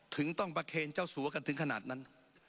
ถึงต้องประเคนเจ้าสัวกันถึงขนาดนั้น